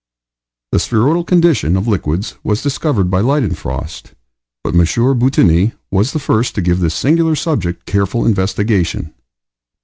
The spheroidal condition of liquids was discovered by Leidenfrost, but M. Boutigny was the first to give this singular subject careful investigation.